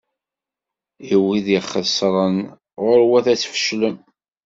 I wid ixesren, ɣur-wat ad tfeclem!